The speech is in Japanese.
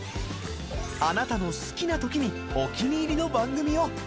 あなたの好きなときにお気に入りの番組を。